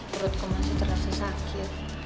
perutku masih terasa sakit